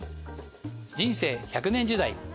人生１００年時代